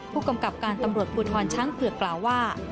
ผู้กำกับการตำรวจภูทรช้างเผือกกล่าวว่า